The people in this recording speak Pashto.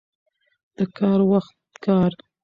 د کار وخت کار.